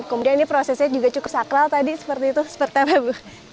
kemudian ini prosesnya juga cukup sakral tadi seperti itu seperti apa bu